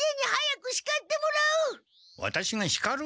ワタシがしかる？